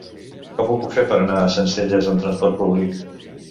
Com ho puc fer per anar a Sencelles amb transport públic?